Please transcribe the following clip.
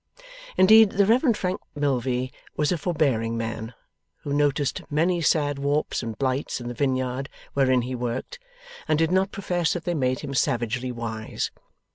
Indeed, the Reverend Frank Milvey was a forbearing man, who noticed many sad warps and blights in the vineyard wherein he worked, and did not profess that they made him savagely wise.